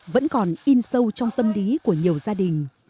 vẫn còn in sâu trong tâm lý của nhiều gia đình